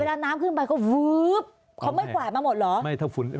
แต่เวลาน้ำขึ้นไปเขาไม่กวาดมาหมดหรอ